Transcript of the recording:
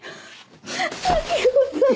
明子さん！